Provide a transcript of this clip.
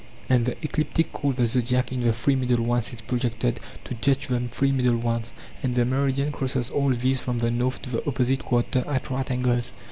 And the ecliptic called the zodiac in the three middle ones is projected to touch the three middle ones. And the meridian crosses all these from the north to the opposite quarter at right angles.